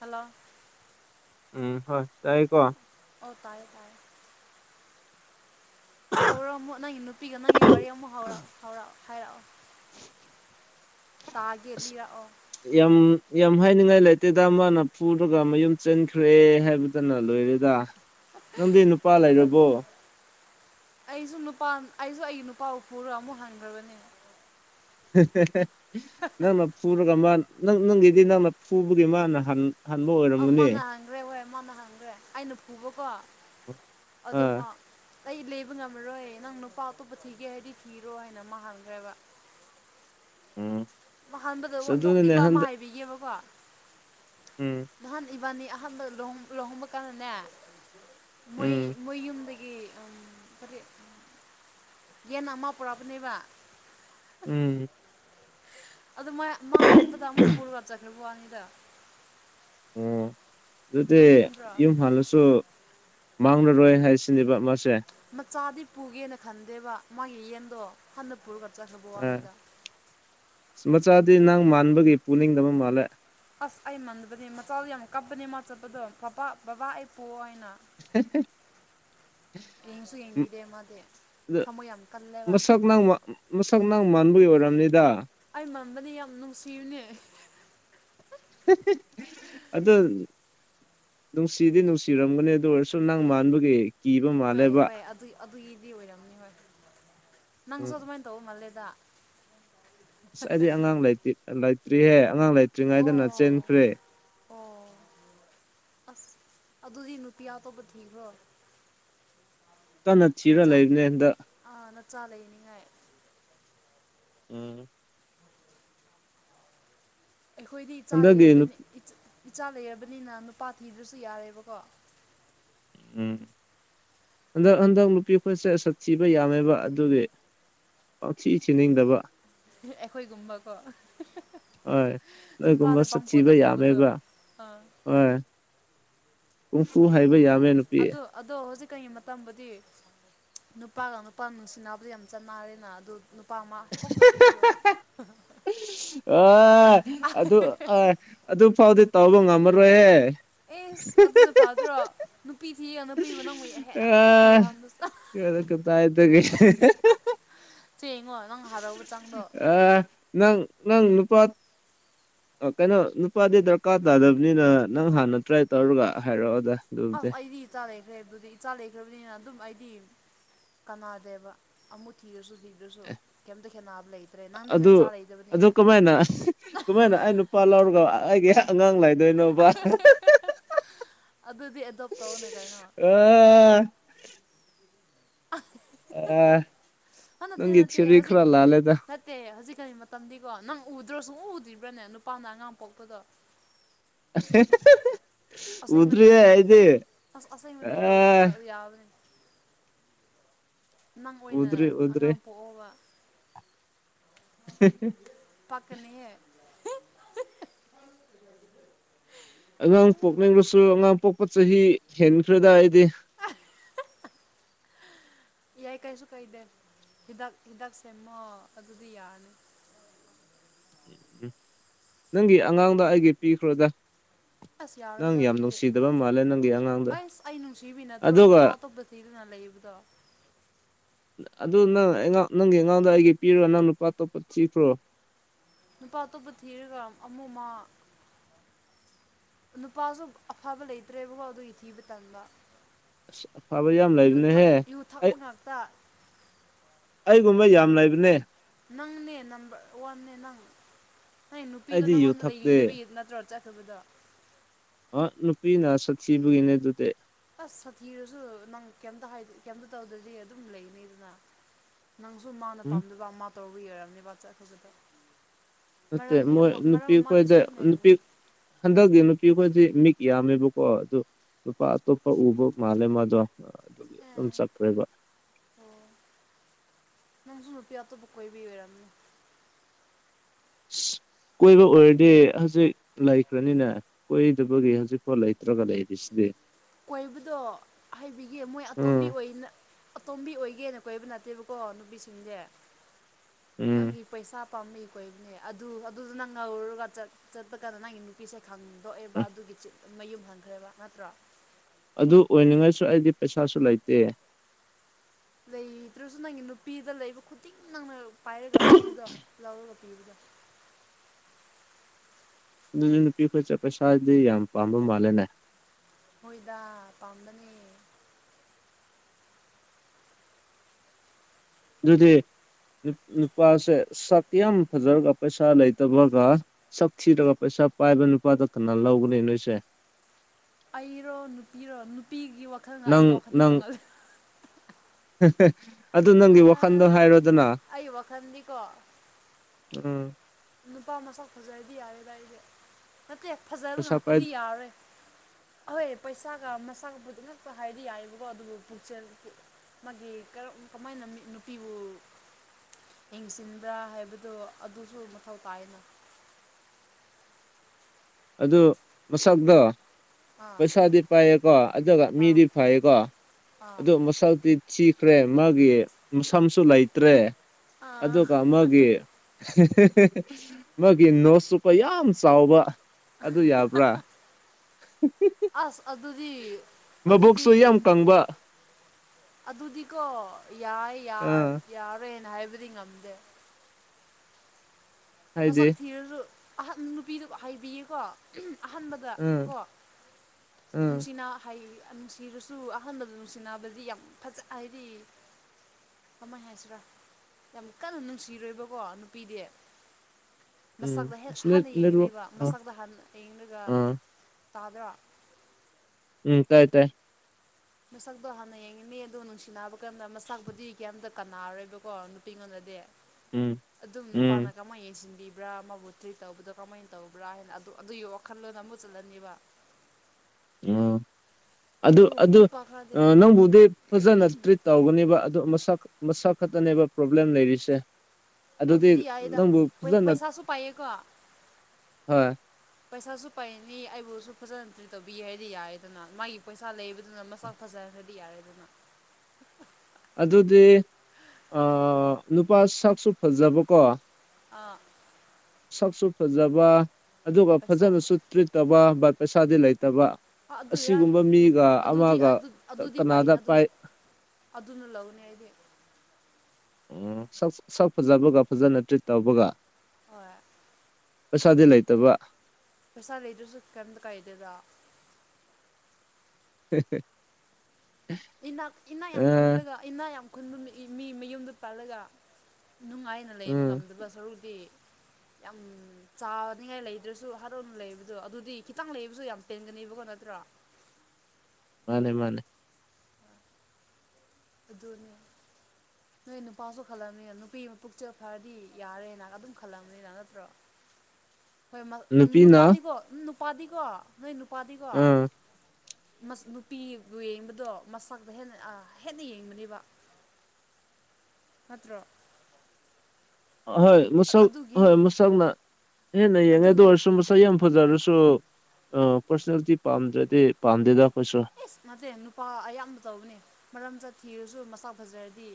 hello ꯎꯝ ꯍꯣꯏ ꯇꯥꯏꯀꯣ ꯑꯣ ꯇꯥꯌꯦꯦ ꯇꯥꯌꯦꯦ ꯍꯧꯔꯛꯑꯣ ꯑꯃꯨꯛ ꯅꯪꯒꯤ ꯅꯨꯄꯤꯒ ꯅꯪꯒꯤ ꯋꯥꯔꯤ ꯑꯃꯨꯛ ꯍꯧꯔꯛꯑꯣ ꯍꯧꯥꯎꯔꯛꯑꯣ ꯍꯥꯏꯔꯛꯑꯣ ꯑꯁ ꯇꯥꯒꯦꯜꯂꯤꯔꯥꯛꯑꯣ ꯌꯥꯝ ꯌꯥꯝ ꯍꯥꯏꯅꯤꯡꯉꯥꯏ ꯂꯩꯇꯦꯗ ꯃꯥꯅ ꯐꯨꯔꯒ ꯃꯌꯨꯝ ꯆꯟꯈ꯭ꯔꯦ ꯍꯥꯏꯕꯗꯅ ꯂꯣꯏꯔꯦꯗ ꯅꯪꯗꯤ ꯅꯨꯄꯥ ꯑꯗꯨ ꯂꯩꯔꯕꯣ ꯑꯩꯁꯨ ꯅꯨꯄꯥ ꯑꯩꯁꯨ ꯑꯩꯒꯤ ꯅꯨꯄꯥ ꯎꯄꯨꯔꯣ ꯑꯃꯨꯛ ꯍꯪꯈ꯭ꯔꯕꯅꯦ ꯅꯪꯅ ꯐꯨꯔꯒ ꯃꯥ ꯅꯪ ꯅꯪꯒꯤꯗꯤ ꯅꯪꯅ ꯐꯨꯕꯒꯤ ꯃꯥꯅ ꯍꯥꯟ ꯍꯥꯟꯕ ꯑ ꯑꯣꯏꯔꯝꯒꯅꯦ ꯃꯥꯅ ꯍꯟꯈ꯭ꯔꯦ ꯍꯣꯏ ꯃꯥꯅ ꯍꯪꯈ꯭ꯔꯦ ꯑꯩꯅ ꯄꯨꯕꯀꯣ ꯑꯥ ꯑꯗꯨꯃ ꯑꯩ ꯂꯩꯕ ꯉꯝꯃꯔꯣꯏ ꯅꯪ ꯅꯨꯄꯥ ꯑꯇꯣꯞꯄ ꯊꯤꯒꯦ ꯍꯥꯏꯗꯤ ꯊꯤꯔꯣ ꯍꯥꯏꯅ ꯑꯃ ꯍꯥꯡꯈ꯭ꯔꯦꯕ [unintelligible] ꯑꯍꯥꯟꯕꯗ ꯑꯁ ꯑꯗꯨꯅꯅꯦ ꯅꯣꯛꯅꯤꯡꯕ ꯑꯃ ꯍꯟꯗꯛ ꯍꯥꯏꯕꯤꯒꯦꯕꯀꯣ ꯎꯝ ꯅꯍꯥꯟ ꯏꯕꯥꯅꯤ ꯑꯍꯥꯟꯕ ꯂꯨꯍꯣꯡꯕ ꯀꯥꯟꯗꯅꯦ ꯃꯣꯏ ꯎꯝ ꯃꯌꯨꯝꯗꯒꯤ ꯀꯔꯤ ꯌꯦꯟ ꯑꯃ ꯄꯨꯔꯛꯑꯕꯅꯦꯕ ꯎꯝ ꯑꯗꯨ ꯃꯥ ꯍꯟꯥꯟꯕꯗ ꯑꯃꯨꯛ ꯄꯨꯔꯒ ꯆꯠꯈ꯭ꯔ ꯋꯥꯅꯤꯗ ꯑꯣ ꯑꯗꯨꯗꯤ ꯅꯣꯛꯅꯤꯡꯕ꯭ꯔꯥ ꯌꯨꯝ ꯐꯥꯜꯁꯨ ꯃꯥꯡꯂꯔꯣꯏ ꯍꯥꯏꯁꯤꯅꯦꯕ ꯃꯥꯁꯦ ꯆꯥꯗꯤ ꯄꯨꯒꯦꯅ ꯈꯟꯗꯦꯕ ꯃꯥꯒꯤ ꯌꯦꯟꯗꯣ ꯍꯟꯅ ꯄꯨꯔꯒꯗ ꯆꯟꯕꯣꯕꯥꯃꯤꯗ ꯆꯥꯗꯤ ꯅꯪ ꯃꯥꯟꯕꯒꯤ ꯄꯨꯅꯤꯡꯗꯕ ꯃꯥꯜꯂꯦ ꯑꯁ ꯑꯩ ꯃꯟꯗꯕꯅꯦ ꯃꯆꯥ ꯌꯥꯝ ꯀꯞꯄꯅꯦ ꯃꯥ ꯆꯠꯄꯗꯣ ꯐꯕ ꯕꯕꯥ ꯑꯩ ꯄꯣꯛꯑꯣꯏ [unintelligible] ꯌꯦꯡꯁꯨ ꯌꯦꯡꯕꯤꯗ ꯃꯥꯗꯤꯦ ꯑꯗ ꯃꯁꯛ ꯃꯁꯛ ꯅꯪ ꯃꯥꯟꯕꯒꯤ ꯑꯣꯏꯔꯕꯅꯤꯗ ꯃꯝꯕꯅꯤ ꯌꯥꯝ ꯅꯨꯡꯁꯤꯅꯦ ꯑꯗꯣ ꯅꯨꯡꯁꯤꯗꯤ ꯅꯨꯡꯁꯤꯔꯝꯒꯅꯤ ꯑꯗꯨ ꯑꯣꯏꯔꯁꯨ ꯅꯪ ꯃꯥꯟꯕꯒꯤ ꯀꯤꯕ ꯍꯣꯏ ꯃꯥꯜꯂꯦꯕ ꯍꯣꯏ ꯑꯗꯨ ꯑꯗꯨꯒꯤꯗꯤ ꯑꯣꯏꯔꯝꯅꯤ ꯃꯥ ꯅꯪꯁꯨ ꯎꯝ ꯑꯗꯨꯃꯥꯏꯅ ꯇꯧ ꯃꯥꯜꯂꯦ ꯗ ꯑꯁ ꯑꯩꯗꯤ ꯑꯉꯥꯡꯇ ꯂꯩꯇ꯭ꯔꯤꯍꯦ ꯑꯉꯥꯡ ꯂꯩꯇ꯭ꯔꯤꯉꯥꯏꯗꯅ ꯑꯣ ꯆꯦꯟꯈ꯭ꯔꯦ ꯑꯣ [unintelligible] ꯑꯁ ꯑꯗꯨꯗꯤ ꯅꯨꯄꯤ ꯑꯇꯣꯞꯄ ꯊꯤꯈ꯭ꯔꯣꯏ ꯇꯅ ꯊꯤꯔ ꯂꯩꯕꯅꯦ ꯍꯟꯗ ꯆꯥ ꯂꯩꯅꯤꯡꯉꯥꯏ ꯎꯝ ꯑꯩꯈꯣꯏꯗꯤ ꯏꯆꯥ ꯍꯟꯗꯛꯀꯤ ꯂꯩꯕꯅꯤ ꯏꯆꯥ ꯂꯩꯔꯕꯅꯤꯅ ꯅꯨꯄꯥ ꯊꯤꯗ꯭ꯔꯁꯨ ꯌꯥꯔꯦꯕꯀꯣ ꯎꯝ ꯍꯟꯗꯛ ꯍꯟꯗꯛ ꯅꯨꯄꯤ ꯈꯨꯠꯁꯦ ꯁꯥꯊꯤꯕ ꯌꯥꯝꯃꯦꯕ ꯑꯗꯨꯒꯤ ꯑ ꯆꯤ ꯆꯤꯅꯤꯡꯗꯕ ꯑꯩꯈꯣꯏꯒꯨꯝꯕꯀꯣ ꯅꯨꯄꯥꯗ ꯅꯣꯏꯒꯨꯝꯕꯁꯨ ꯊꯤꯕ ꯄꯥꯡꯐꯨꯗ ꯐꯨꯕꯗꯣ ꯌꯥꯃꯦꯕ ꯑꯥ ꯍꯣꯏ ꯍꯨꯝꯐꯨ ꯍꯥꯏꯕ ꯌꯥꯝꯃꯦ ꯅꯨꯄꯤ ꯀꯩ ꯃꯇꯝꯗꯗꯤ ꯅꯨꯄꯥꯒ ꯅꯨꯄꯥꯒ ꯅꯨꯡꯁꯤꯅꯥꯅꯕꯗ ꯌꯥꯝ ꯆꯥꯟꯅꯔꯦꯅ ꯑꯗꯨ ꯅꯨꯄꯥꯃ ꯀꯣꯛꯇ ꯊꯤꯈ꯭ꯔꯣ ꯑ ꯑꯗꯨ ꯑꯗꯨ ꯐꯥꯎꯗꯤ ꯇꯧꯕ ꯉꯝꯃꯔꯣꯏꯍꯦ ꯑꯦꯁ ꯑꯗꯨꯅ ꯐꯥꯗ꯭ꯔꯣ ꯅꯨꯄꯤ ꯊꯤꯔꯒ ꯅꯨꯄꯤꯕꯨ ꯅꯪꯕꯨ ꯍꯦꯛ ꯑꯗꯨꯝ ꯑ ꯐꯨꯍꯟꯕ ꯀꯔ ꯇꯥꯏꯗ ꯀꯩ ꯆ ꯌꯦꯡꯉꯣ ꯅꯪ ꯍꯔꯥꯎꯕ ꯆꯥꯡꯗꯣ ꯑꯦ ꯅꯪ ꯅꯪ ꯅꯨꯄꯥ ꯀꯩꯅꯣ ꯅꯨꯄꯥꯗꯤ ꯗꯔꯀꯥꯔ ꯇꯥꯗꯕꯅꯤꯅ ꯅꯪ ꯍꯥꯟꯅ ꯇ꯭ꯔꯥꯏ ꯇꯧꯔꯒ ꯍꯥꯏꯔꯛꯑꯣꯗ ꯑꯗꯨꯕꯨꯗꯤ ꯑꯁ ꯑꯩꯗꯤ ꯏꯆꯥ ꯂꯩꯈ꯭ꯔꯦꯕ ꯑꯗꯨꯗꯤ ꯏꯆꯥ ꯂꯩꯈ꯭ꯔꯕꯅꯤꯅ ꯑꯗꯨꯝ ꯀꯅꯥꯗꯕ ꯑꯃꯨ ꯊꯤꯔꯁꯨ ꯐꯗꯨꯁꯨ ꯀꯩꯝꯇ ꯈꯦꯠꯅꯕ ꯂꯩꯇ꯭ꯔꯦ ꯅꯪꯗꯤꯅ ꯆꯥ ꯑꯗꯨ ꯑꯗꯨ ꯂꯩꯗꯕꯅꯤꯅ ꯀꯃꯥꯏꯅ ꯀꯃꯥꯏꯅ ꯑꯩ ꯅꯨꯄꯥ ꯂꯧꯔꯒ ꯑꯩꯒꯤ ꯑꯉꯥꯡ ꯂꯩꯗꯣꯏꯅꯣꯕ ꯑꯗꯨꯗꯤ ꯑꯦꯗꯣꯞ ꯇꯧꯔꯅꯦ ꯀꯥꯏꯩꯅꯣ ꯑ ꯑ ꯑꯥ ꯅꯠꯇꯦ ꯅꯪ ꯏ ꯁꯤꯔꯤ ꯈ꯭ꯔꯂ ꯑꯜꯂꯦꯗ ꯀꯔꯤ ꯃꯇꯝꯗꯤꯀꯣ ꯅꯪ ꯎꯗ꯭ꯔꯣ ꯁꯨꯡ ꯎꯗ꯭ꯔꯤꯕ꯭ꯔꯅꯦ ꯅꯨꯄꯥꯅ ꯑꯉꯥꯡ ꯄꯣꯛꯄꯗꯣ [inaudible] ꯑꯁꯦꯡꯕꯅꯦ ꯎꯗ꯭ꯔꯤꯌꯦ ꯑꯩꯗꯤ ꯑ ꯑꯁꯦꯡꯕꯅꯦ ꯇꯧ ꯑꯦ ꯌꯥꯕꯅꯤ ꯅꯪ ꯑꯣꯏꯅ ꯎꯗ꯭ꯔꯤ ꯎꯗ꯭ꯔꯤ ꯑꯉꯥꯡ ꯄꯣꯛꯑꯕ ꯄꯀꯅꯤꯌꯦ ꯑꯉꯥꯡ ꯄꯣꯛꯅꯤꯡꯕꯁꯨ ꯑꯉꯥꯡ ꯄꯣꯛꯄ ꯆꯍꯤ ꯍꯦꯟꯈ꯭ꯔꯗ ꯑꯩꯗꯤ [inaudible] ꯌꯥꯏ ꯀꯩꯁꯨ ꯀꯩꯗꯦ ꯍꯤꯗꯥꯛ ꯍꯤꯗꯥꯛ ꯁꯦꯝꯃꯣ ꯑꯗꯨꯗꯤ ꯌꯥꯅꯤ ꯎꯝ ꯎꯝ ꯅꯪꯒꯤ ꯑꯉꯥꯡꯗꯣ ꯑꯩꯒꯤ ꯄꯤꯈ꯭ꯔꯣꯗ ꯅꯪ ꯌꯥꯔꯣꯏꯗ ꯌꯥꯝ ꯑꯗꯨꯗꯤ ꯅꯨꯡꯁꯤꯗꯕ ꯃꯥꯜꯂꯦ ꯅꯪꯒꯤ ꯑꯉꯥꯡꯗ ꯑꯁ ꯑꯩ ꯅꯨꯡꯁꯤꯕꯤ ꯅꯠꯇ꯭ꯔꯣ ꯑꯗꯨꯒ ꯅꯨꯄꯥ ꯑꯇꯣꯞꯄ ꯊꯤꯗꯅ ꯂꯩꯕꯗꯣ ꯑꯗꯨ ꯅꯪꯉ ꯅꯪꯒꯤ ꯑꯉꯥꯡꯗ ꯑꯩꯒꯤ ꯄꯤꯔꯣ ꯅꯪ ꯅꯨꯨꯄꯥ ꯑꯇꯣꯞꯄ ꯊꯤꯈ꯭ꯔꯣ ꯅꯨꯄꯥ ꯑꯇꯣꯞꯄ ꯊꯤꯔꯒ ꯑꯃꯨꯃ ꯅꯨꯄꯥꯁꯨ ꯑꯐꯕ ꯂꯩꯇ꯭ꯔꯦꯕꯀꯣ ꯑꯗꯨꯒꯤꯊꯤꯕ ꯇꯟꯕ ꯑꯁ ꯐꯕ ꯌꯥꯝ ꯌꯨ ꯊꯛ ꯂꯩꯕꯅꯦꯍꯦ ꯌꯨ ꯑꯩ ꯊꯛꯄ ꯉꯥꯛꯇ ꯑꯩꯒꯨꯝꯕ ꯌꯥꯝ ꯂꯩꯕꯅꯦ ꯅꯪꯅꯦ ꯅꯝꯕꯔ ꯋꯥꯟꯅꯦ ꯅꯪ ꯅꯪ ꯅꯨꯄꯤꯗꯣ ꯑꯩꯗꯤ ꯌꯨ ꯅꯪꯉꯣꯟꯗ ꯊꯛꯇꯦ ꯂꯩꯅꯤꯡꯗꯕꯤ ꯅꯠꯇ꯭ꯔꯣ ꯆꯠꯊꯕꯗꯣ ꯑ ꯅꯨꯄꯤꯅꯁꯠꯕꯒꯤꯅꯦ ꯑꯗꯨꯗꯤ ꯑꯁ ꯁꯥꯊꯤꯔꯁꯨ ꯅꯪ ꯀꯩꯝꯇ ꯀꯩꯝꯇ ꯇꯧꯗ꯭ꯔꯗꯤ ꯑꯗꯨꯝ ꯂꯩꯅꯤ ꯑꯗꯨꯅ ꯅꯪꯁꯨ ꯃꯥꯅ ꯎꯝ ꯇꯝꯗꯕ ꯑꯃ ꯇꯧꯔꯨ ꯌꯔꯕꯅꯦꯕ ꯆꯠꯈꯈꯤꯕꯗꯣ ꯅꯠꯇꯦ ꯃꯣꯏ ꯅꯨꯄꯤ ꯑꯩꯈꯣꯏꯗ ꯁꯣꯏꯗꯅ ꯅꯨꯄꯤ ꯂꯩꯔꯝꯒꯅꯤ ꯍꯟꯗꯛꯀꯤ ꯅꯨꯄꯤ ꯑꯩꯈꯣꯏꯗꯤ ꯃꯤꯛ ꯌꯥꯝꯃꯦꯕꯀꯣ ꯑꯗꯨ ꯂꯨꯄꯥ ꯑꯇꯣꯞꯄ ꯎꯕ ꯃꯥꯜꯂꯦ ꯃꯥꯗꯣ ꯑ ꯑꯗꯨꯒꯤ ꯑꯗꯨꯝ ꯑꯦ ꯆꯈ꯭ꯔꯦꯕ ꯄ ꯑꯇꯕꯨꯣꯏꯕꯤ ꯑꯣꯏꯔꯅꯤ [inaudible] ꯀꯣꯏꯕ ꯑꯣꯏꯔꯗꯤ ꯍꯧꯖꯤꯛ ꯂꯩꯈ꯭ꯔꯅꯤꯅꯦ ꯀꯣꯏꯗꯕꯒꯤ ꯍꯧꯖꯤꯛꯐꯥꯎ ꯂꯩꯇ꯭ꯔꯒ ꯂꯩꯔꯤꯁꯤꯗꯤ ꯀꯣꯏꯕꯗꯣ ꯍꯥꯏꯕꯤꯒꯦ ꯃꯣꯏ ꯑꯇꯣꯝꯕꯤ ꯎꯝ ꯑꯣꯏꯅꯅ ꯑꯇꯣꯝꯕꯤ ꯑꯣꯏꯒꯦꯅ ꯀꯣꯏꯕ ꯅꯠꯇꯦꯕꯀꯣ ꯅꯨꯄꯤꯁꯤꯡꯗꯤ ꯎꯝ ꯅꯪꯒꯤ ꯄꯩꯁꯥ ꯄꯥꯝꯅꯩꯈꯣꯅꯦ ꯑꯗꯨ ꯑꯗꯨꯗꯨ ꯅꯪ ꯉꯧꯔꯒ ꯆꯠꯄ ꯀꯥꯟꯗ ꯅꯪꯒꯤ ꯅꯨꯄꯤꯁꯦ ꯈꯪꯗꯣꯛꯑꯦꯕ ꯑꯗꯨꯒꯤ ꯃꯌꯨꯝ ꯍꯟꯈ꯭ꯔꯦꯕ ꯅꯠꯇ꯭ꯔꯣ ꯑꯗꯨ ꯑꯣꯏꯅꯤꯡꯉꯩꯁꯨ ꯑꯩꯗꯤ ꯄꯩꯁꯥꯁꯨ ꯂꯩꯇꯦ ꯂꯩꯇ꯭ꯔꯁꯨ ꯅꯪꯒꯤ ꯅꯨꯄꯤꯗ ꯂꯩꯕ ꯈꯨꯗꯤꯡ ꯅꯪꯅ ꯄꯥꯏꯔꯒ ꯄꯤꯕꯗꯣ ꯂꯧꯔꯒ ꯄꯤꯕꯗꯣ [inaudible] ꯑꯗꯨꯗꯤ ꯅꯨꯄꯤ ꯑꯩꯈꯣꯏ ꯆꯠꯄꯩ ꯏꯁꯗꯤ ꯌꯥꯝ ꯄꯥꯝꯕ ꯃꯥꯜꯂꯦꯅꯦ ꯍꯣꯏꯗ ꯄꯥꯝꯕꯅꯦ ꯑꯗꯨꯗꯤ ꯅꯨꯄꯥꯁꯦ ꯁꯛ ꯌꯥꯝ ꯐꯖꯔꯒ ꯄꯩꯁꯥ ꯂꯩꯇꯕꯒ ꯁꯛ ꯊꯤꯔꯒ ꯄꯩꯁꯥ ꯄꯥꯏꯕ ꯅꯨꯄꯥꯗ ꯀꯅꯥ ꯂꯧꯒꯅꯤ ꯅꯣꯏꯁꯦ ꯑꯩꯔꯣ ꯅꯨꯄꯤꯔꯣ ꯅꯨꯄꯤꯒꯤ ꯋꯥꯈꯜꯒ ꯅꯪ ꯑꯩꯒꯤ ꯋꯥꯈꯜꯗꯤ ꯅꯪ ꯇꯣꯡꯉꯂ ꯑꯗꯨ ꯅꯪꯒꯤ ꯋꯥꯈꯟꯗꯣ ꯍꯥꯏꯔꯣ ꯑꯩ ꯋꯥꯈꯜꯗꯤꯀꯣ ꯎꯝ ꯅꯨꯄꯥ ꯃꯁꯛ ꯐꯖꯔꯗꯤ ꯌꯥꯔꯦꯗ ꯑꯩꯁꯦ ꯅꯠꯇꯦ ꯐꯖꯕ ꯄꯩꯁꯥ ꯄꯥꯏ ꯉꯥꯛꯇꯗꯤ ꯌꯥꯔꯣꯏ ꯑꯩꯍꯣꯏ ꯄꯩꯁꯥ ꯃꯁꯥꯄꯨꯗꯤ ꯉꯥꯛꯛꯇ ꯍꯥꯏꯗꯤ ꯌꯥꯏꯑꯕꯀꯣ ꯑꯗꯨꯕꯨ ꯄꯨꯛꯆꯦꯜ ꯃꯥꯒꯤ ꯀꯝ ꯀꯃꯥꯏꯅ ꯅꯨꯄꯤꯕꯨ ꯌꯦꯡꯁꯤꯟꯕ꯭ꯔꯥ ꯍꯥꯏꯕꯗꯨꯣ ꯑꯗꯨꯁꯨ ꯊꯊꯧ ꯀꯥꯏꯅ ꯑꯗꯨ ꯃꯁꯛꯇꯣ ꯑꯥ ꯄꯩꯁꯥꯗꯤ ꯐꯥꯏꯌꯦꯀꯣ ꯑꯗꯨꯒ ꯑꯥ ꯃꯤꯗꯤ ꯐꯥꯏꯌꯦꯀꯣ ꯑꯥ ꯑꯗꯨꯗ ꯃꯁꯥꯎ ꯆꯤ ꯐ꯭ꯔꯦ ꯃꯥꯒꯤ ꯃꯁꯝꯁꯨ ꯂꯩꯇ꯭ꯔꯦ ꯑꯥ ꯑꯗꯨꯒ ꯃꯥꯒꯤ ꯃꯥꯒꯤ ꯅꯣꯠ ꯆꯨꯞꯄ ꯌꯥꯝ ꯆꯥꯎꯕ ꯑꯗꯨ ꯌꯥꯕ꯭ꯔꯥ ꯑꯁ ꯑꯗꯨꯗꯤ ꯃꯕꯣꯛꯁꯨ ꯑꯗꯨꯗꯤ ꯌꯥꯝ ꯀꯪꯕ ꯑꯗꯨꯗꯤꯀ ꯌꯥꯏ ꯑꯥ ꯌꯥꯔꯣꯏꯅ ꯍꯥꯏꯕꯗꯤ ꯉꯝꯗꯦ ꯍꯥꯏꯗꯤ ꯃꯁꯛ ꯊꯤꯔꯁꯨ ꯑꯍ ꯅꯨꯄꯤꯗꯨ ꯍꯥꯏꯕꯤꯌꯦꯀꯣ ꯑꯍꯥꯟꯕꯗ ꯎꯝ ꯀꯣ ꯎꯝ ꯅꯨꯡꯁꯤꯅ ꯍꯥꯏ ꯅꯨꯡꯁꯤꯔꯁꯨ ꯑꯍꯥꯟꯕꯗ ꯅꯨꯡꯁꯤꯅꯕꯗꯤ ꯌꯥꯝ ꯐꯖ ꯍꯥꯏꯗꯤ ꯃꯃꯥꯏ ꯍꯥꯏꯁꯤꯔꯥ ꯌꯥꯝ ꯀꯟꯅ ꯅꯨꯡꯁꯤꯔꯣꯏꯕꯀꯣ ꯅꯨꯄꯤꯗꯤ ꯎꯝ ꯃꯁꯛꯇ ꯍꯦꯛ ꯑꯁ ꯅꯦꯠ ꯍꯥꯟꯅ ꯅꯦꯠꯋꯥꯛ ꯌꯦꯡꯒꯅꯦꯕ ꯑꯥ ꯃꯁꯥꯛꯗ ꯍꯥꯟꯅ ꯌꯦꯡꯉꯒ ꯑꯥ ꯇꯥꯗ ꯎ ꯇꯥꯏ ꯇ ꯃꯁꯥꯛꯛꯇꯣ ꯍꯥꯟꯅ ꯌꯦꯡꯉꯤꯅꯦ ꯑꯗꯣ ꯅꯨꯡꯁꯤ ꯅꯥꯅꯕ ꯀꯥꯟꯗ ꯃꯁꯥꯕꯨꯗꯤ ꯀꯩꯝꯇ ꯀꯅꯥꯔꯔꯣꯏꯕꯀꯣ ꯅꯨꯄꯤꯉꯣꯟꯗꯗꯤ ꯎꯝ ꯑꯗꯨꯝ ꯎꯝ ꯅꯨꯄꯥꯅ ꯀꯃꯥꯏꯅ ꯌꯦꯡꯁꯤꯟꯕꯤꯕ ꯭ꯔ ꯃꯕꯨꯇ꯭ꯔꯤ ꯇꯧꯕꯗꯣ ꯀꯃꯥꯏꯅ ꯇꯧꯕ꯭ꯔꯥ ꯍꯥꯏꯅ ꯑꯗꯨꯒꯤ ꯋꯥꯈꯜꯂꯣꯟꯅ ꯑꯃꯨꯛ ꯆꯠꯂꯅꯤꯕ ꯑ ꯑꯗꯨ ꯑꯗꯨ ꯅꯨꯄꯥ ꯈꯔꯗꯤ ꯅꯪꯕꯨꯗꯤ ꯐꯖꯅ ꯇ꯭ꯔꯤꯠ ꯇꯧꯒꯅꯦꯕ ꯑꯗꯨ ꯃꯁꯛ ꯃꯁꯛ ꯈꯛꯇꯅꯦꯕ ꯄ꯭ꯔꯣꯕ꯭ꯂꯦꯝ ꯂꯩꯔꯤꯁꯦ ꯑꯗꯨꯗꯤ ꯅꯪꯕꯨ ꯐꯖꯅ ꯄꯩꯁꯥꯁꯨ ꯄꯥꯏꯌꯦꯀꯣ ꯍꯣꯏ ꯄꯩꯁꯥꯁꯨ ꯄꯥꯏꯅꯤ ꯑꯩꯕꯨꯁꯨ ꯐꯖꯅ ꯇ꯭ꯔꯤꯠ ꯇꯧꯕꯤ ꯍꯥꯏꯗꯤ ꯌꯥꯏ ꯑꯗꯨꯅ ꯃꯥꯒꯤ ꯄꯩꯁꯥ ꯂꯩꯕꯗꯨꯅ ꯃꯁꯥꯛ ꯐꯖ ꯄꯁꯗꯤꯌꯥ ꯍꯥꯏꯅ [inaudible] ꯑꯗꯨꯗꯤ ꯅꯨꯄꯥ ꯁꯛꯁꯨ ꯐꯖꯕꯀꯣ ꯑꯥ ꯊ ꯐꯖꯕ ꯑꯗꯨꯒ ꯄꯩꯁꯥ ꯐꯖꯅꯁꯨ ꯇ꯭ꯔꯤꯠ ꯇꯧꯕ ꯕꯠ ꯄꯩꯁꯥꯗꯤ ꯂꯩꯇ ꯠꯇꯕ ꯑꯗꯨ ꯌꯥꯏ ꯑꯁꯤꯒꯨꯝꯕ ꯃꯤꯒ ꯑꯗꯨꯗꯤ ꯑꯃꯒ ꯑꯗꯨꯗꯤ ꯀꯅꯥꯗ ꯑꯗꯨꯅ ꯄꯥꯏ ꯑꯗꯨꯅ ꯂꯧꯅꯤ ꯑꯩꯗꯤ ꯎ ꯁꯛ ꯐꯖꯕꯒ ꯐꯖꯅ ꯇ꯭ꯔꯤꯠ ꯇꯧꯕꯒ ꯑꯣ ꯄꯁꯥꯗꯤꯦ ꯂꯩꯇꯕ ꯐꯁꯂꯦꯗꯨꯁꯨ ꯀꯗ ꯀꯥꯏꯗꯗ ꯎꯝ ꯍꯝ ꯏꯛ ꯏꯅꯥꯛ ꯌꯥꯝ ꯈꯨꯜꯂꯒ ꯏꯅꯥꯛ ꯌꯥꯝ ꯈꯨꯟꯕ ꯃꯤ ꯃꯌꯨꯝꯗ ꯄꯥꯜꯂꯒ ꯅꯨꯡꯉꯥꯏꯅ ꯂꯩꯕ ꯎꯝ ꯉꯝꯗꯕ ꯁꯔꯨꯛꯇꯤ [inaudible] ꯌꯥꯝ ꯆꯥꯅꯤꯡꯉꯥꯏ ꯂꯩꯗ꯭ꯔꯁꯨ ꯍꯔꯥꯎꯅ ꯂꯩꯕꯗꯣ ꯑꯗꯨꯗꯤ ꯈꯤꯇꯪ ꯂꯩꯕꯁꯨ ꯌꯥꯝ ꯄꯦꯟꯒꯅꯦꯕꯀꯣ ꯅꯠꯇ꯭ꯔꯣ [inaudible] ꯃꯥꯅꯦ ꯃꯥꯅꯦ ꯑꯗꯨꯅꯦ ꯅꯣꯏ ꯅꯨꯄꯥꯁꯨ ꯈꯜꯂꯝꯕꯅꯤꯅ ꯅꯨꯄꯤ ꯃ ꯄꯨꯛꯆꯦꯜ ꯐꯔꯗꯤ ꯌꯥꯔꯦꯅ ꯑꯗꯨꯝ ꯈꯜꯂꯝꯕꯅꯤꯅ ꯅꯠꯇ꯭ꯔꯣ [unintelligible] ꯍꯣꯏ ꯎꯝ ꯅꯨꯄꯤꯅ ꯅꯨꯄꯥꯗꯤꯀꯣ ꯅꯨꯄꯥꯗꯤꯀꯣ ꯅꯣꯏ ꯅꯨꯄꯥꯗꯤꯀꯣ ꯑꯥ ꯅꯨꯄꯤ ꯌꯦꯡꯕꯗꯣ ꯃꯁꯛꯇ ꯍꯦꯟꯅ ꯍꯦꯟꯅ ꯌꯦꯡꯕꯅꯦꯕ ꯍꯥꯠꯇ꯭ꯔꯣ ꯍꯣꯏ ꯃꯁꯛ ꯍꯣꯏ ꯃꯁꯛꯅ ꯍꯦꯟꯅ ꯌꯦꯡꯉꯥꯏꯗ ꯑꯗꯨꯒꯤ ꯑꯣꯏꯔꯁꯨ ꯃꯁꯛ ꯌꯥꯝ ꯐꯖꯔꯁꯨ ꯄꯔꯁꯣꯅꯦꯜꯂꯤꯇꯤ ꯄꯥꯝꯗ꯭ꯔꯗꯤ ꯄꯥꯝꯗꯦꯗ ꯑꯩꯈꯣꯏꯁꯨ ꯑꯦ ꯅꯠꯇꯦ ꯅꯨꯄꯥ ꯑꯌꯥꯝꯕ ꯇꯧꯕꯅꯦ ꯃꯔꯝ ꯆꯠ ꯊꯤꯔꯁꯨ ꯃꯁꯥꯛ ꯐꯖꯔꯗꯤ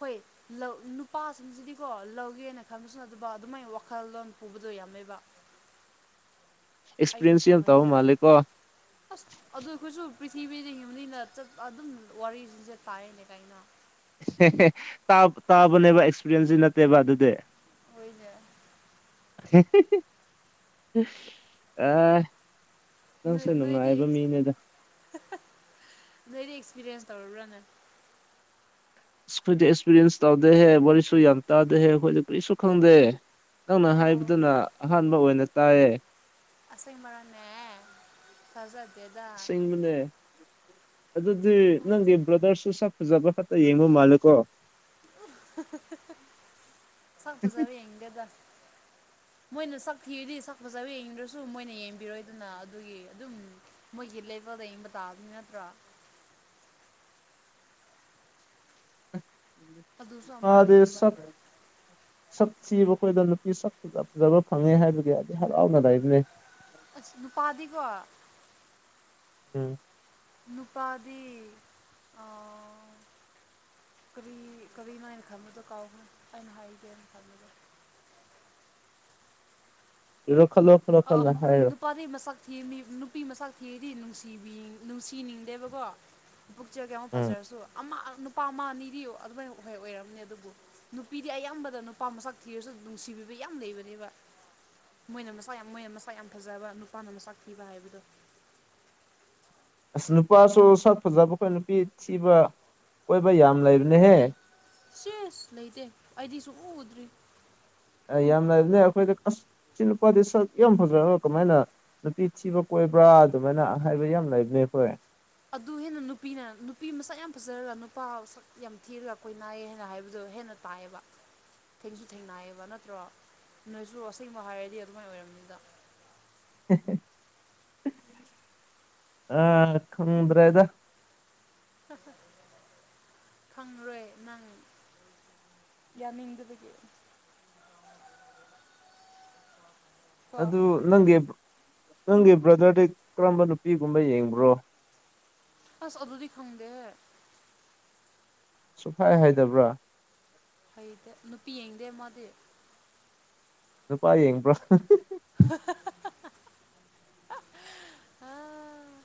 ꯍꯣꯏ ꯂꯧ ꯅꯨꯄꯥꯁꯤꯡꯁꯤꯗꯤꯀꯣ ꯂꯧꯒꯦꯅ ꯈꯟꯂꯁꯨꯅ ꯑꯗꯨ ꯑꯗꯨꯃꯥꯏꯅ ꯋꯥꯈꯜꯂꯣꯟ ꯄꯨꯕꯗꯣ ꯌꯥꯝꯃꯦꯕ [unintelligible] ꯑꯩꯅ ꯑꯦꯛꯁꯄꯤꯔꯤꯌꯦꯟꯁ ꯌꯥꯝ ꯐꯪꯉꯗꯤ ꯇꯧꯕ ꯌꯥꯔꯦ ꯃꯥꯜꯂꯦꯀꯣ ꯑꯁ ꯑꯗꯨ ꯑꯩꯈꯣꯏꯁꯨ ꯄ꯭ꯔꯤꯊꯤꯕꯤꯗ ꯌꯅꯤꯅ ꯑꯗꯨꯝ ꯋꯥꯔꯤꯁꯤꯡꯁꯦ ꯇꯥꯏꯅꯦ ꯀꯥꯏꯩꯅ ꯇꯥꯕꯅꯦꯕ ꯑꯦꯛꯁꯄꯤꯔꯤꯟꯁꯁꯤ ꯅꯠꯇꯦꯕ ꯑꯗꯨꯗꯤ ꯑꯣꯏꯣꯏꯗ ꯑ ꯅꯣꯏ ꯅꯪꯁꯨ ꯅꯣꯏꯗꯤ ꯅꯨꯡꯉꯥꯏꯕ ꯃꯤꯅꯤꯗ ꯅꯣꯏꯗꯤ ꯑꯦꯛꯁꯄꯤꯔꯤꯌꯦꯟꯁ ꯇꯧꯔꯕ꯭ꯔꯥꯅꯦ ꯑꯩꯈꯣꯏꯗ ꯑꯦꯛꯁꯄꯤꯔꯤꯌꯦꯟꯁ ꯇꯧꯗꯦꯍꯦ ꯋꯥꯔꯤꯁꯨ ꯌꯥꯝ ꯇꯥꯗꯦꯍꯦ ꯑꯩꯈꯣꯏꯗ ꯀꯔꯤꯁꯨ ꯈꯪꯗꯦ ꯅꯪꯅ ꯑꯣ ꯍꯥꯏꯕꯗꯨꯅ ꯑꯍꯥꯟꯕ ꯑꯣꯏꯅ ꯇꯥꯏꯌꯦ ꯑꯁ ꯃꯔꯅꯦ ꯐꯖ ꯦꯡꯕꯅꯦ ꯑꯗꯨꯗꯤ ꯎꯝ ꯅꯪꯒꯤ ꯕ꯭ꯔꯗꯔꯁꯨ ꯖꯕ ꯍꯠꯇ ꯌꯦꯡꯉꯣ ꯃꯥꯂꯀꯣ ꯁꯐ ꯁꯔ ꯏꯒꯦꯗ [unintelligible] ꯃꯣꯏꯅ ꯁꯛ ꯊꯤꯔꯗꯤ ꯁꯛ ꯐꯖꯕ ꯌꯦꯡꯅꯤꯡꯗ꯭ꯔꯁꯨ ꯃꯣꯏꯅ ꯌꯦꯡꯕꯤꯔꯣꯏꯗꯅ ꯑꯗꯨꯒꯤ ꯑꯗꯨꯝ ꯃꯣꯏꯒꯤ ꯂꯩ ꯄ ꯑ ꯕꯗꯅ ꯄꯨꯔꯥ [unintelligible] ꯑ ꯑꯗꯨꯁꯨ ꯑꯃ ꯂꯩꯌꯦꯕ ꯁꯛ ꯊꯕ ꯑꯩꯈꯣꯏꯗ ꯅꯨꯄꯤ ꯁꯛ ꯐꯖꯕ ꯐꯪꯉꯦ ꯍꯥꯏꯕꯒꯤ ꯍꯥꯏꯗꯤ ꯍꯔꯥꯎꯅ ꯂꯩꯕꯅꯤ ꯑꯁ ꯅꯨꯄꯥꯗꯤꯀꯣ ꯎꯝ ꯅꯨꯄꯥꯗꯤ ꯑ ꯀꯕꯤ ꯀꯕꯤꯅ ꯏꯅ ꯈꯃꯗꯣ ꯀꯥꯎ ꯑꯩꯅ ꯍ ꯀ ꯈꯃꯗꯣ [unintelligible] ꯌꯔꯣ ꯑ ꯅꯨꯄꯥꯔꯤ ꯃꯁꯛ ꯊ ꯃꯤ ꯅꯨꯄꯤ ꯃꯁꯛ ꯊ ꯗꯤ ꯅꯨꯡꯁꯤꯕꯤ ꯅꯨꯡꯁꯤꯅꯤꯡꯗꯦꯕꯀꯣ ꯄꯨꯛꯆꯒꯦ ꯑꯃꯨꯛ ꯎꯝ ꯐꯖꯔꯁꯨ ꯑꯃ ꯅꯨꯄꯥ ꯑꯃ ꯑꯅꯤꯗꯤ ꯑꯗꯨꯃꯥꯏ ꯍ ꯑꯣꯏꯔꯝꯅꯦ ꯑꯗꯨꯕꯨ ꯅꯨꯄꯤꯗꯤ ꯑꯌꯥꯝꯕꯗ ꯅꯨꯄꯥ ꯃꯁꯛ ꯊꯤꯔꯁꯨ ꯅꯨꯡꯁꯤꯕꯤꯕ ꯌꯥꯝ ꯂꯩꯕꯅꯦꯕ ꯃꯣꯏꯅ ꯃꯁ ꯌꯥꯝ ꯃꯣꯏ ꯑꯃ ꯃꯁꯛ ꯌꯥꯝ ꯐꯖꯕ ꯅꯨꯄꯥꯅ ꯑꯃꯁꯛ ꯄꯤꯕ ꯍꯥꯏꯕꯗꯣ ꯑꯁ ꯅꯨꯄꯥꯁꯨ ꯁꯥꯠ ꯐꯖꯕ ꯑꯩꯈꯣꯏ ꯅꯨꯄꯤ ꯊꯤꯕ ꯀꯣꯏ ꯥꯏ ꯌꯥꯝ ꯂꯩꯕꯅꯦꯍꯦ ꯁꯦꯁ ꯂꯩꯇꯦ ꯑꯩꯗꯤꯁꯨ ꯎꯗ꯭ꯔꯤ ꯌꯥꯝꯅꯕꯅꯦ ꯑꯩꯈꯣꯏꯗ ꯑꯁ ꯁꯤ ꯅꯨꯄꯥꯗꯤ ꯁꯛ ꯌꯥꯝ ꯐꯖꯔꯒ ꯀꯃꯥꯏꯅ ꯅꯨꯄꯤ ꯊꯤꯕ ꯀꯣꯏꯕ꯭ꯔꯥ ꯑꯗꯨꯃꯥꯏꯅ ꯍꯥꯏꯕ ꯌꯥꯝ ꯂꯩꯕꯅꯦ ꯑꯩꯈꯣꯏ ꯑꯗꯨ ꯍꯦꯟꯅ ꯅꯨꯄꯤꯅ ꯅꯨꯄꯤ ꯃꯁꯛ ꯌꯥꯝ ꯐꯖꯔꯒ ꯅꯨꯄꯥ ꯃ ꯁꯛ ꯌꯥꯝ ꯊꯤꯔꯒ ꯑꯩꯈꯣꯏ ꯅꯥꯏꯌꯦ ꯍꯥꯏꯅ ꯍꯥꯏꯕꯗꯣ ꯑꯗꯨ ꯍꯦꯟꯅ ꯇꯥꯏꯌꯦꯕ ꯊꯦꯡꯁꯨ ꯊꯦꯡꯅꯏꯌꯦꯕ ꯅꯠꯇ꯭ꯔꯣ ꯅꯣꯏꯁꯨ ꯑꯁꯦꯡꯕ ꯍꯥꯏꯔꯗꯤ ꯑꯗꯨꯃꯥꯏꯅ ꯑꯣꯏꯔꯝꯅꯤꯗ ꯑꯥ ꯈꯪꯗ꯭ꯔꯦꯗ ꯈꯪꯂꯔꯣꯏ ꯅꯪ ꯌꯥꯅꯤꯡꯗꯕꯒꯤ [inaudible] ꯀꯣ ꯑꯗꯨꯗ ꯅꯪꯗꯤ ꯅꯪꯒꯤ ꯕ꯭ꯔꯗꯔꯗꯤ ꯀꯔꯝꯕ ꯅꯨꯄꯤꯒꯨꯝꯕ ꯌꯦꯡꯕ꯭ꯔꯣ ꯑꯁ ꯑꯗꯣꯗꯤ ꯈꯪꯗꯦꯍꯦ ꯁꯨꯡꯍꯥꯏ ꯍꯥꯏꯗꯕ꯭ꯔꯥ ꯍꯥꯏꯗꯦ ꯅꯨꯄꯤ ꯌꯦꯡꯗꯦ ꯃꯥꯗꯤ ꯅꯨꯄꯥ ꯌꯦꯡꯕ꯭ꯔꯥ [inaudible]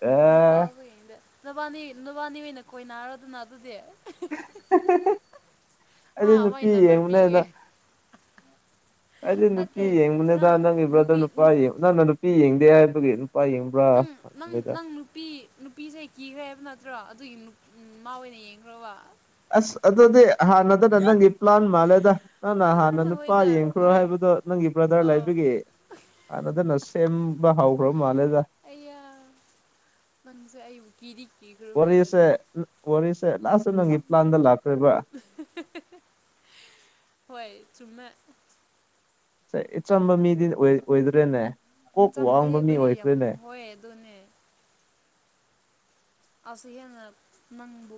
ꯑꯦ ꯅꯨꯄꯥꯈꯩꯗ ꯅꯨꯕꯥꯟꯅꯤ ꯅꯨꯕꯥꯟꯅꯤ ꯑꯣꯏꯅ ꯀꯣꯏꯅꯔꯗꯣꯅ ꯑꯗꯨꯗꯤ ꯍꯥ ꯑꯩ ꯃꯥꯏ ꯅꯨꯄꯤ ꯅꯝꯕꯔ ꯌꯦꯡꯉꯨꯅꯦꯅ ꯄꯤꯒꯦ ꯑꯩꯗꯤ ꯅꯨꯄꯤ ꯅꯠꯇꯦ ꯌꯦꯡꯕꯅꯤꯗ ꯅꯪ ꯅꯪꯒꯤ ꯕ꯭ꯔꯗꯔ ꯅꯨꯄꯤ ꯅꯨꯄꯥ ꯌꯦꯡꯉ ꯅꯪꯅ ꯅꯨꯄꯤ ꯌꯦꯡꯗꯦ ꯍꯥꯏꯕꯒꯤ ꯌꯦꯡꯕ꯭ꯔꯥ ꯅꯪ ꯅꯪ ꯍꯪꯕꯅꯤꯗ ꯅꯪ ꯅꯨꯄꯤ ꯅꯨ ꯅꯨꯄꯤꯁꯩ ꯀꯤꯈ꯭ꯔꯦ ꯍꯥꯏꯕ ꯅꯠꯇ꯭ꯔꯣ ꯑꯗꯨꯒꯤ ꯃꯥ ꯑꯣꯏꯅ ꯌꯦꯡꯈ꯭ꯔꯕ ꯑꯁ ꯑꯗꯨꯗꯤ ꯍꯥꯟꯅꯗꯅ ꯅꯪꯒꯤ ꯄ꯭ꯂꯥꯟ ꯃꯥꯜꯂꯦꯗ ꯅꯪꯅ ꯍꯥꯟꯅ ꯑꯥ ꯅꯨꯄꯥ ꯍꯣꯏꯗ ꯌꯦꯡꯈ꯭ꯔꯣ ꯍꯣꯏ ꯍꯥꯏꯕꯗꯣ ꯅꯪꯒꯤ ꯕ꯭ꯔꯗꯔ ꯑꯣ ꯂꯩꯕꯤꯒ ꯅ ꯑꯗꯨꯅ ꯁꯦꯝꯕ ꯍꯥꯎ ꯑ ꯃꯖꯦ ꯑꯩ ꯎꯀꯤꯔꯤ ꯋꯥꯔꯤꯁꯦ ꯋꯥꯔꯤꯁꯦ ꯂꯥꯁ ꯅꯪꯄ꯭ꯂꯥꯟꯗ ꯂꯥꯛ ꯍꯣꯏ ꯆꯨꯝꯃ ꯁꯏꯆꯝꯕ ꯃꯤꯗꯤ ꯑꯣꯏꯗ꯭ꯔꯦꯅꯦ ꯀꯣꯛ ꯆꯝꯗꯦ ꯋꯥꯡꯕ ꯃꯤ ꯑꯩꯈꯣꯏꯗꯤ ꯌꯥꯝ ꯑꯣꯏꯈ꯭ꯔꯦꯅꯦ ꯍꯣꯏ ꯑꯗꯨꯅꯦ ꯑꯁ ꯍꯅ ꯃꯪ